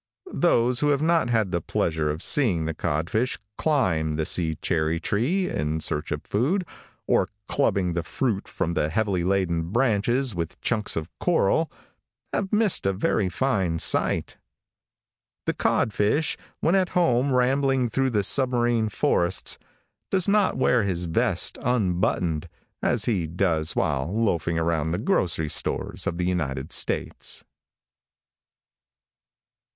Those who have not had the pleasure of seeing the codfish climb the sea cherry tree in search of food, or clubbing the fruit from the heavily laden branches with chunks of coral, have missed a very fine sight. The codfish, when at home rambling through the submarine forests, does not wear his vest unbuttoned, as he does while loafing around the grocery stores of the United States.